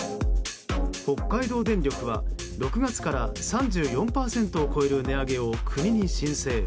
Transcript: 北海道電力は６月から３４％を超える値上げを国に申請。